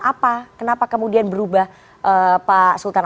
apa kenapa kemudian berubah pak sultan